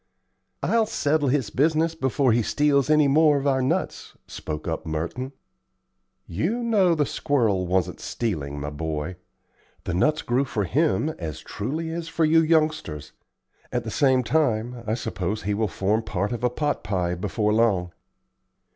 "I'll settle his business before he steals many more of our nuts," spoke up Merton. "You know the squirrel wasn't stealing, my boy. The nuts grew for him as truly as for you youngsters. At the same time I suppose he will form part of a pot pie before long."